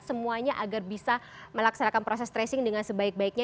semuanya agar bisa melaksanakan proses tracing dengan sebaik baiknya